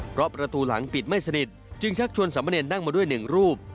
เพราะประตูหลังปิดไม่สนิทจึงชักชวนสามเณรนั่งมาด้วยหนึ่งรูป